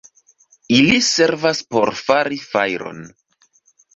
Ili servas por fari fajron.